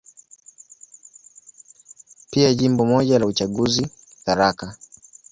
Pia Jimbo moja la uchaguzi, Tharaka.